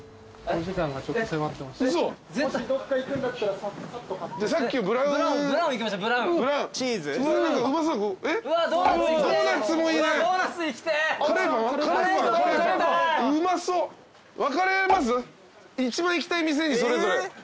一番行きたい店にそれぞれ。